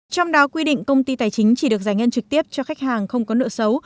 trong đó quy định công ty tài chính chỉ được giải ngân trực tiếp cho khách hàng không có nợ xấu